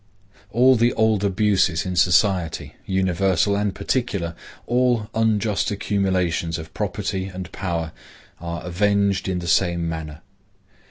All the old abuses in society, universal and particular, all unjust accumulations of property and power, are avenged in the same manner.